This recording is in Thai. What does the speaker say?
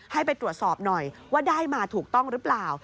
ให้ไปตรวจสอบหน่อยว่าได้มาถูกต้องหรือเปล่า